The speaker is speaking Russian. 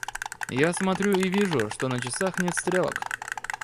Я смотрю и вижу, что на часах нет стрелок.